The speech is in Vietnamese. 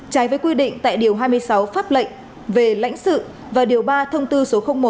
trái với quy định tại điều hai mươi sáu pháp lệnh về lãnh sự và điều ba thông tư số một